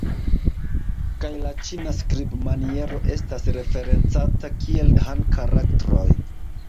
Kaj la Ĉina skribmaniero estas referencata kiel "Han karaktroj".